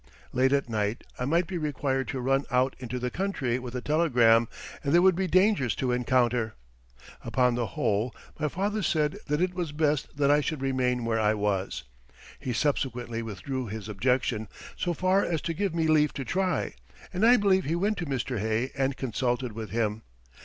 Late at night I might be required to run out into the country with a telegram, and there would be dangers to encounter. Upon the whole my father said that it was best that I should remain where I was. He subsequently withdrew his objection, so far as to give me leave to try, and I believe he went to Mr. Hay and consulted with him.